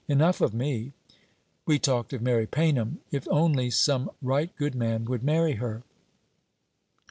Enough of me. We talked of Mary Paynham. If only some right good man would marry her!'